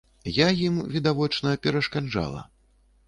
Я ім, відавочна, перашкаджала.